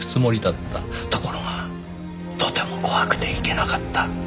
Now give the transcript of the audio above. ところがとても怖くて行けなかった。